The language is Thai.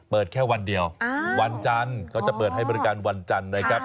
แค่วันเดียววันจันทร์เขาจะเปิดให้บริการวันจันทร์นะครับ